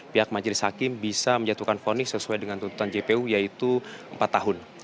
pihak majelis hakim bisa menjatuhkan fonis sesuai dengan tuntutan jpu yaitu empat tahun